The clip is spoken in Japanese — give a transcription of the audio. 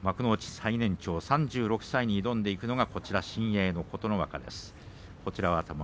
最年長３６歳に挑んでいくのが新鋭の琴ノ若です。